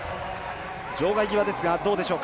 場外際ですがどうでしょうか。